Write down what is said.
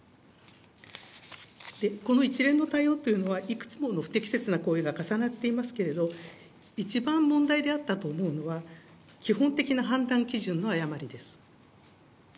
この一連の対応というのは、いくつもの不適切な行為が重なっていますけれど、一番問題であったと思うのは、基本的な判断基準の誤りです。